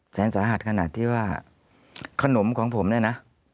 แสนสาหัสขนาดที่ว่าขนมของผมเนี่ยนะ